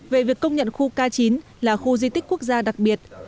về việc công nhận khu k chín là khu di tích quốc gia đặc biệt